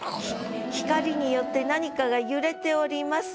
光によって何かが揺れておりますよ